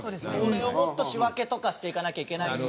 これをもっと仕訳とかしていかなきゃいけないんで。